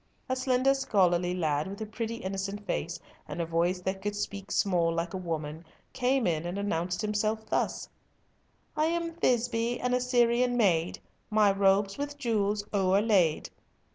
A slender, scholarly lad, with a pretty, innocent face, and a voice that could "speak small, like a woman," came in and announced himself thus— "I'm Thisbe, an Assyrian maid, My robe's with jewels overlaid."